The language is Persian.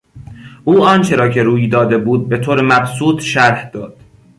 او آنچه را که روی داده بود به طور مبسوط شرح داد.